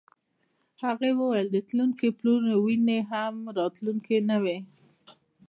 هغې وویل چې د تلونکو پلونه وینم خو د راوتونکو نه.